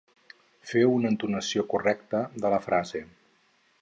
Feu una entonació correcta de la frase.